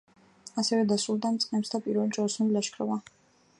ასე დასრულდა მწყემსთა პირველი ჯვაროსნული ლაშქრობა.